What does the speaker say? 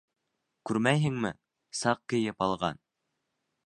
Күрмәйһеңме, саҡ кейеп алған!